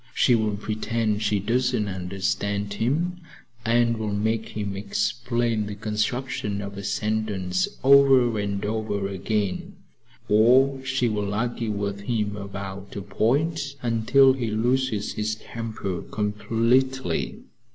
She will pretend she doesn't understand him and will make him explain the construction of a sentence over and over again, or she will argue with him about a point until he loses his temper completely.